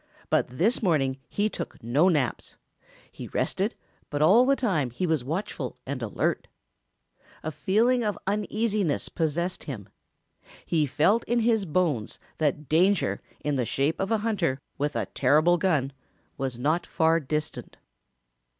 But this morning he took no naps. He rested, but all the time he was watchful and alert. A feeling of uneasiness possessed him. He felt in his bones that danger in the shape of a hunter with a terrible gun was not far distant.